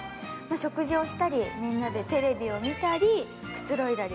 食事をしたり、みんなでテレビを見たりくつろいだり。